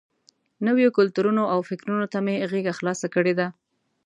نویو کلتورونو او فکرونو ته مې غېږه خلاصه کړې ده.